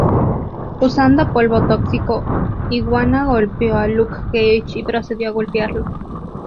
Usando polvo tóxico, Iguana golpeó a Luke Cage y procedió a golpearlo.